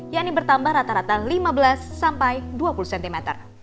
yang ini bertambah rata rata lima belas sampai dua puluh cm